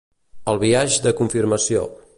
el biaix de confirmació